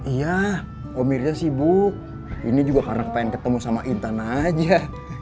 iya omirnya sibuk ini juga karena pengen ketemu sama intan aja